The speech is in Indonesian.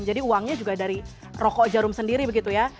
jadi uangnya juga dari roko jarum sendiri begitu ya